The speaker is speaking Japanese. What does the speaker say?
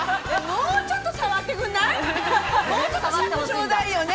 もうちょっとさわってくんない？